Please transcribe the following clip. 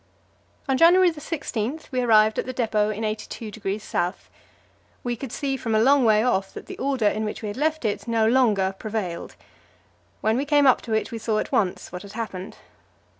On January 16 we arrived at the depot in 82° S. We could see from a long way off that the order in which we had left it no longer prevailed. When we came up to it, we saw at once what had happened.